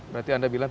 berarti anda bilang